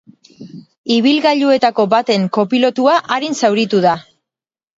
Ibilgailuetako baten kopilotua arin zauritu da.